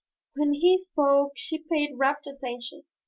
When he spoke she paid rapt attention.